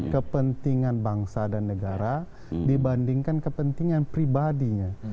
kepentingan bangsa dan negara dibandingkan kepentingan pribadinya